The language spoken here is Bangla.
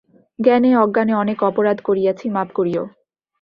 জ্ঞানে অজ্ঞানে অনেক অপরাধ করিয়াছি, মাপ করিয়ো।